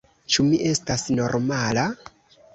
Ĉu mi estas normala?